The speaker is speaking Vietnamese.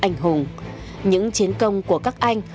những chiến công của các anh